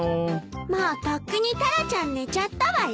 もうとっくにタラちゃん寝ちゃったわよ。